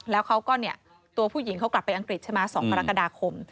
แล้วเขาก็เนี่ยตัวผู้หญิงเขากลับไปอังกฤษใช่ไหม๒กรกฎาคม